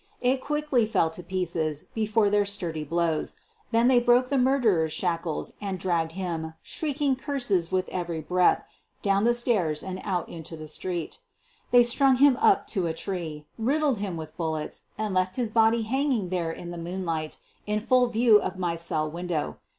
It quickly fell to pieces before their sturdy blows. Then they broke the murderer's shackles and dragged him, shrieking curses with every breath, down the stairs and out into the street. They strung him up to a tree, riddled him with bullets, and left his body hanging there in the moon light in full view of my cell window.